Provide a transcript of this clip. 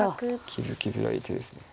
気付きづらい手ですね。